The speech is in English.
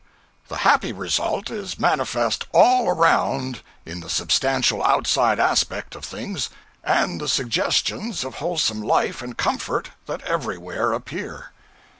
The happy result is manifest all around in the substantial outside aspect of things, and the suggestions of wholesome life and comfort that everywhere appear.